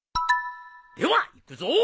ではいくぞ。